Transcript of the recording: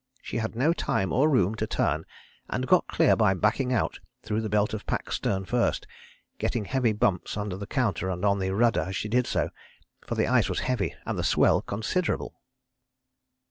She had no time or room to turn, and got clear by backing out through the belt of pack stern first, getting heavy bumps under the counter and on the rudder as she did so, for the ice was heavy and the swell considerable."